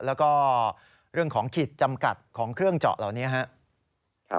แล้วก็เรื่องของขีดจำกัดของเครื่องเจาะเหล่านี้ครับ